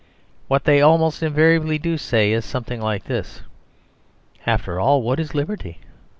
What they almost invariably do say is something like this: "After all, what is liberty?